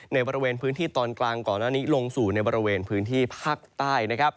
ในบริเวณพื้นที่ตอนกลางก่อนอันนี้ลงสู่ในบริเวณพื้นที่ภาคใต้นะครับ